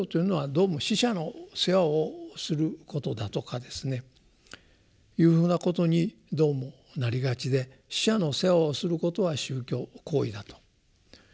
どうも死者の世話をすることだとかですねいうふうなことにどうもなりがちで死者の世話をすることは宗教行為だと。